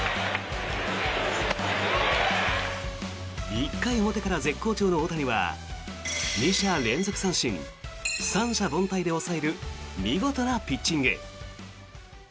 １回表から絶好調の大谷は２者連続三振、三者凡退で抑える見事なピッチング。